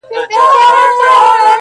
چي پکښي و لټوو لار د سپین سبا په لوري-